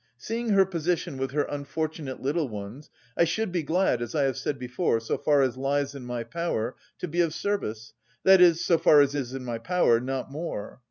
"Seeing her position with her unfortunate little ones, I should be glad, as I have said before, so far as lies in my power, to be of service, that is, so far as is in my power, not more.